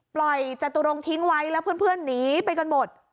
จตุรงทิ้งไว้แล้วเพื่อนหนีไปกันหมด